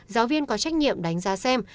giáo viên có trách nhiệm đánh giá xem